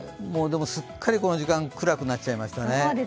でもすっかりこの時間、暗くなっちゃいましたね。